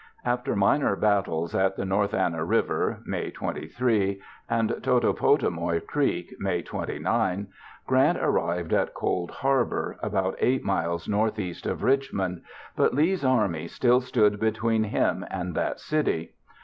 After minor battles at the North Anna River (May 23) and Totopotomoy Creek (May 29), Grant arrived at Cold Harbor, about 8 miles northeast of Richmond, but Lee's army still stood between him and that city.